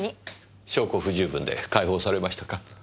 証拠不十分で解放されましたか？